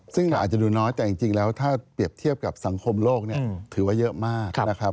ซึ่งเราอาจจะดูน้อยแต่จริงแล้วถ้าเปรียบเทียบกับสังคมโลกเนี่ยถือว่าเยอะมากนะครับ